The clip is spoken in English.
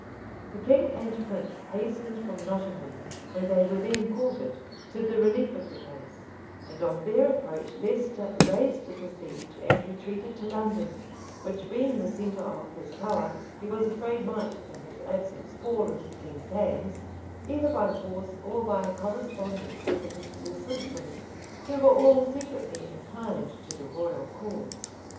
The king and prince hastened from Nottingham, where they were then quartered, to the relief of the place; and on their approach, Leicester raised the siege and retreated to London, which, being the centre of his power, he was afraid might, in his absence, fall into the king's hands, either by force or by a correspondence with the principal citizens, who were all secretly inclined to the royal cause.